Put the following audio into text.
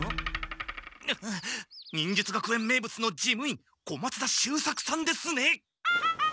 あ忍術学園名物の事務員小松田秀作さんですね？